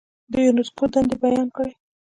د یونسکو دندې بیان کړئ.